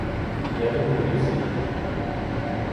Я не боюсь її.